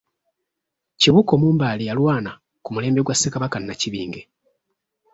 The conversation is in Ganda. Kibuuka Omumbaale yalwaana ku mulembe gwa Ssekabaka Nnakibinge.